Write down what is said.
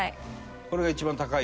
これが一番高いっぽい？